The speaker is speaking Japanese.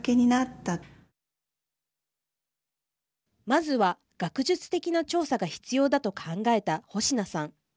まずは、学術的な調査が必要だと考えた保科さん。